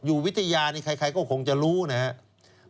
อยู่วิทยานี่ใครก็คงจะรู้นะครับ